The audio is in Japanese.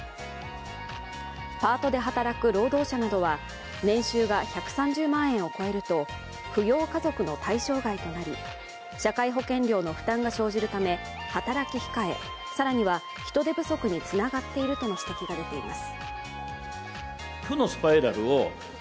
パートで働く労働者などは年収が１３０万円を超えると扶養家族の対象外となり、社会保険料の負担が生じるため働き控え、更には人手不足につながっているとの指摘が出ています。